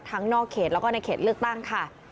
นอกเขตแล้วก็ในเขตเลือกตั้งค่ะ